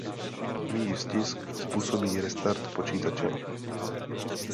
Její stisk způsobí restart počítače.